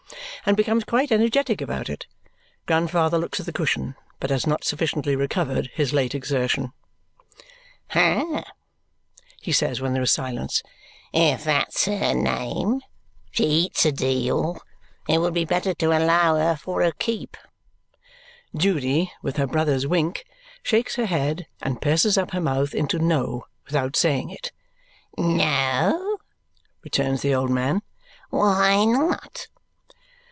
and becomes quite energetic about it. Grandfather looks at the cushion but has not sufficiently recovered his late exertion. "Ha!" he says when there is silence. "If that's her name. She eats a deal. It would be better to allow her for her keep." Judy, with her brother's wink, shakes her head and purses up her mouth into no without saying it. "No?" returns the old man. "Why not?"